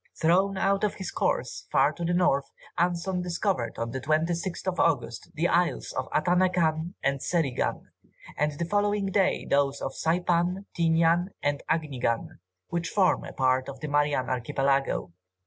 Thrown out of his course, far to the north, Anson discovered on the 26th of August, the Isles of Atanacan and Serigan, and the following day those of Saypan, Tinian, and Agnigan, which form a part of the Marianne Archipelago.